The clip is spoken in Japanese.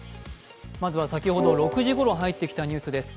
まずは先ほど６時ごろ入ってきたニュースです。